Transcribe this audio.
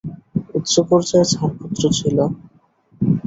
উচ্চ পর্যায়ের ছাড়পত্র ছিল।